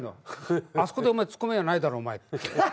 「あそこでツッコめはないだろお前」